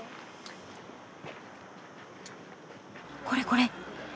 これこれ。